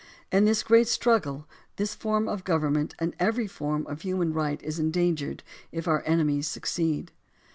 In this great struggle, this form of government and every form of human right is endangered if our enemies succeed.